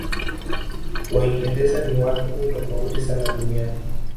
waingereza ni watu tofauti sana duniani